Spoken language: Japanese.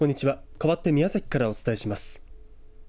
かわって宮崎からお伝えします。